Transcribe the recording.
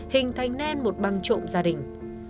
hình thành nên một băng trộm gia đình